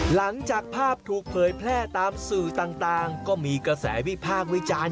หลังจากภาพถูกเผยแพร่ตามสื่อต่างก็มีกระแสวิพากษ์วิจารณ์